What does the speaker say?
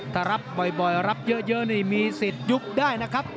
ถ้ารับบ่อยรับเยอะนี่มีสิทธิ์ยุบได้นะครับ